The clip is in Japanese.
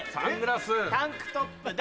タンクトップで。